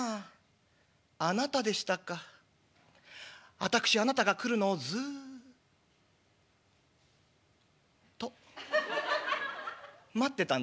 私あなたが来るのをずっと待ってたんですよ」。